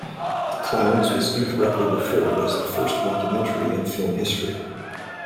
"The Clowns" was incorrectly referred as the first mockumentary in film history.